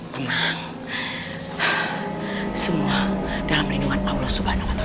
tenang semua dalam rinduan allah subhanahu wa ta'ala